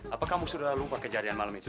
apa kamu sudah lupa kejadian malam itu